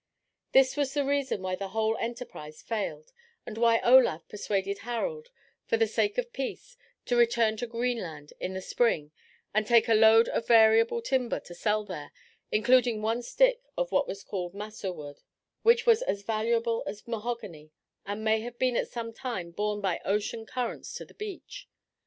This was the reason why the whole enterprise failed, and why Olaf persuaded Harald, for the sake of peace, to return to Greenland in the spring and take a load of valuable timber to sell there, including one stick of what was called massur wood, which was as valuable as mahogany, and may have been at some time borne by ocean currents to the beach.